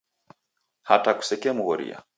Hata kusekemghoria.